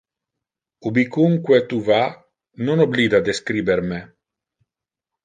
Ubicunque tu va, non oblida de scriber me.